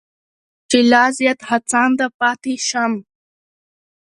چې لا زیات هڅانده پاتې شم.